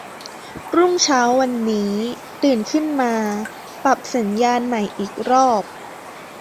รุ่งเช้าวันนี้ ตื่นขึ้นมา ปรับสัญญาณใหม่อีกรอบ